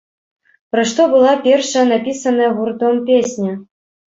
Пра што была першая напісаная гуртом песня?